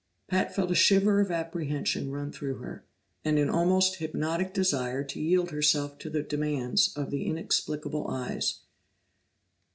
Pat felt a shiver of apprehension run through her, and an almost hypnotic desire to yield herself to the demands of the inexplicable eyes.